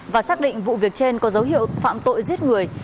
và xác định vụ việc trên có dấu hiệu phạm tội giết người